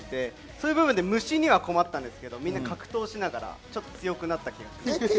そういう部分で虫には困ったんですけど、格闘しながら強くなった気がします。